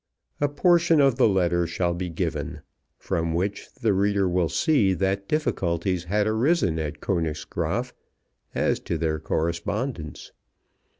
A portion of the letter shall be given, from which the reader will see that difficulties had arisen at Königsgraaf as to their correspondence.